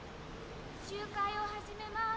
集会を始めます。